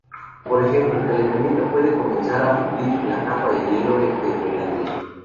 Por ejemplo, el calentamiento puede comenzar a fundir la capa de hielo de Groenlandia.